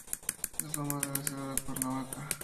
Lomas de la Selva de Cuernavaca.